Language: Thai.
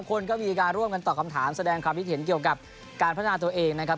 คนก็มีการร่วมกันตอบคำถามแสดงความคิดเห็นเกี่ยวกับการพัฒนาตัวเองนะครับ